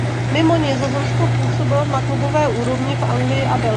Mimo Nizozemsko působil na klubové úrovni v Anglii a Belgii.